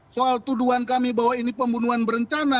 soal tuduhan kami bahwa ini pembunuhan berencana